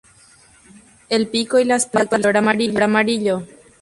El pico y las patas son de color amarillo.